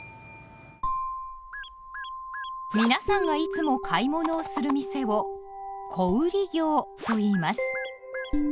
皆さんがいつも買い物をする店を「小売業」といいます。